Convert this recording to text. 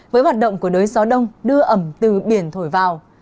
với hoạt động của đới gió đông đưa ẩm từ biển thổi vào